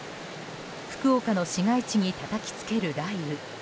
福岡の市街地にたたきつける雷雨。